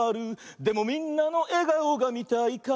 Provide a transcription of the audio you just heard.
「でもみんなのえがおがみたいから」